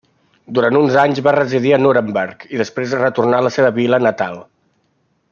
Durant uns anys va residir a Nuremberg i després retornà a la seva vila natal.